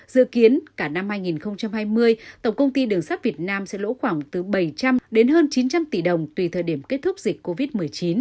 dự kiến cả năm hai nghìn hai mươi tổng công ty đường sắt việt nam sẽ lỗ khoảng từ bảy trăm linh đến hơn chín trăm linh tỷ đồng tùy thời điểm kết thúc dịch covid một mươi chín